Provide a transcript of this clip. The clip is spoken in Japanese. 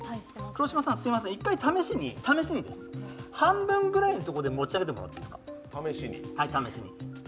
黒島さん、すいません、１回試しに半分ぐらいのところで持ち上げてもらっていいですか。